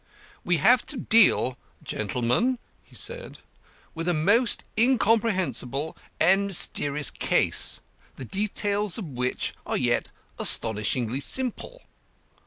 "We have to deal, gentlemen," he said, "with a most incomprehensible and mysterious case, the details of which are yet astonishingly simple.